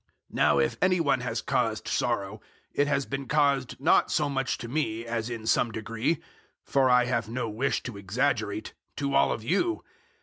002:005 Now if any one has caused sorrow, it has been caused not so much to me, as in some degree for I have no wish to exaggerate to all of you.